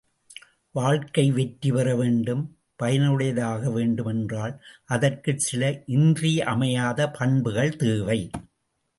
வாழ்க்கை வெற்றி பெறவேண்டும், பயனுடையதாக வேண்டும் என்றால், அதற்குச் சில இன்றியமையாத பண்புகள் தேவை.